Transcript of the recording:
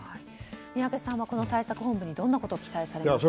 宮家さんはこの対策本部にどんなことを期待しますか？